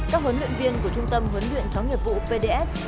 các huấn luyện viên của trung tâm huấn luyện chó nghiệp vụ pds